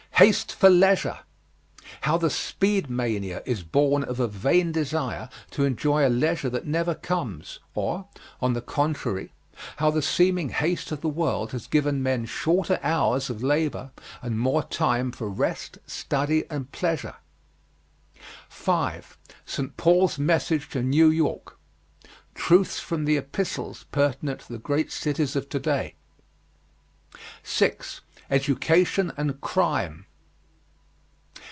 HASTE FOR LEISURE. How the speed mania is born of a vain desire to enjoy a leisure that never comes or, on the contrary, how the seeming haste of the world has given men shorter hours off labor and more time for rest, study, and pleasure. 5. ST. PAUL'S MESSAGE TO NEW YORK. Truths from the Epistles pertinent to the great cities of today. 6. EDUCATION AND CRIME.